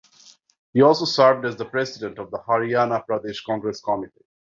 He also served as the president of the Haryana Pradesh Congress Committee.